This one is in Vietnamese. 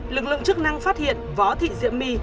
lực lượng chức năng phát hiện võ thị diễm my